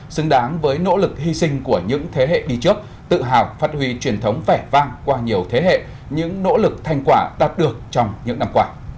xứng đáng với nỗ lực hy sinh của những thế hệ đi trước tự hào phát huy truyền thống vẻ vang qua nhiều thế hệ những nỗ lực thành quả đạt được trong những năm qua